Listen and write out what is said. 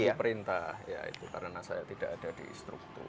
itu perintah ya itu karena saya tidak ada di struktur